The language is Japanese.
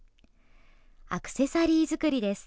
アクセサリー作りです。